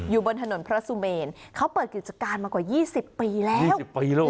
อยู่บนถนนพระสุเมนเขาเปิดกิจการมากว่า๒๐ปีแล้ว๒๐ปีแล้ว